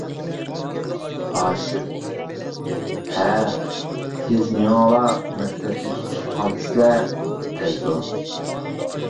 ھاشىم: ھە، تېز مېڭىڭلار مەكتەپكە كېچىكىپ قالىسىلەر دەيدۇ.